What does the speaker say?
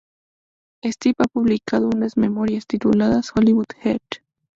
Steve ha publicado unas memorias, tituladas "Hollywood Heat".